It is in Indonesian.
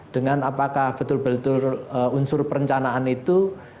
dan apakah betul betul unsur perencanaan itu